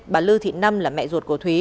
bà lư thị năm là mẹ ruột của thúy